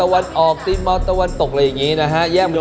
วันนี้ผมเพิ่งเรียนเรื่อง